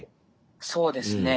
そうですね。